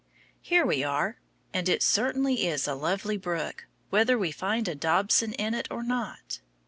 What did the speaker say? Here we are, and it certainly is a lovely brook, whether we find a dobson in it or not.